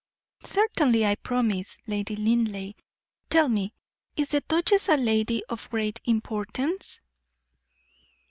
"Certainly, I promise, Lady Linleigh. Tell me, is the duchess a lady of great importance?"